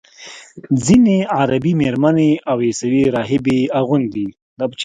ځینې عربي میرمنې او عیسوي راهبې یې اغوندي.